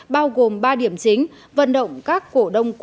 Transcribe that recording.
bao gồm ba điểm chính vận động các cổ đông cũ